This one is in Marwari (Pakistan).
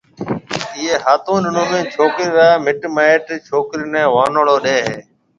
ايئيَ ھاتون ڏنون ۾ ڇوڪرِي را مِٽ مائيٽ ڇوڪرِي نيَ ونوݪو ڏَي ھيََََ